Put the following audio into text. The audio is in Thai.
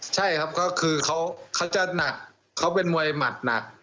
ใช่ครับก็คือเขาเป็นมวยหมัดหนัก